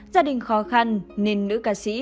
gia đình khó khăn nên nữ ca sĩ